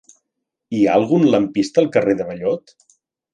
Hi ha algun lampista al carrer de Ballot?